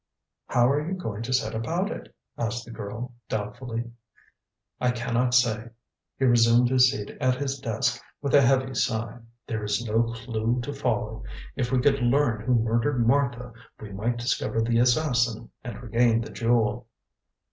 "How are you going to set about it?" asked the girl, doubtfully. "I cannot say." He resumed his seat at his desk with a heavy sigh. "There is no clue to follow. If we could learn who murdered Martha we might discover the assassin and regain the jewel."